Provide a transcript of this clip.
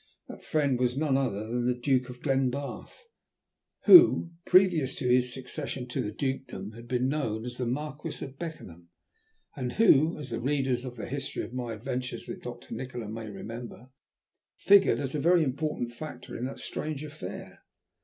That friend was none other than the Duke of Glenbarth, who previous to his succession to the Dukedom had been known as the Marquis of Beckenham, and who, as the readers of the history of my adventures with Doctor Nikola may remember, figured as a very important factor in that strange affair.